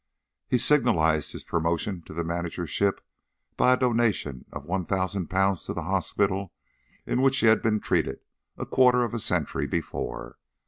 He signalised his promotion to the managership by a donation of L1000 to the hospital in which he had been treated a quarter of a century before.